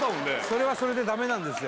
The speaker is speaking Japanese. それはそれでダメなんですよ